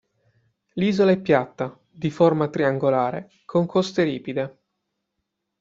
L'isola è piatta, di forma triangolare, con coste ripide.